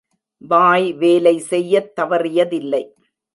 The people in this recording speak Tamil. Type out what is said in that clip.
வாய் வேலை செய்யத் தவறியதில்லை.